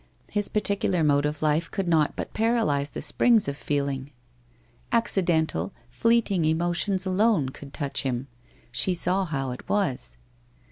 His particular mode of life could not but paralyze the springs of feeling. Accidental, fleeting emotions alone could touch him. She saw how it was.